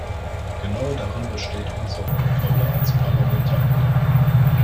Genau darin besteht unsere Rolle als Parlamentarier.